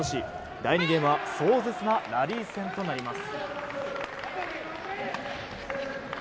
第２ゲームは壮絶なラリー戦となります。